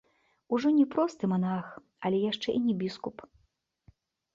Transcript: Ужо не просты манах, але яшчэ і не біскуп.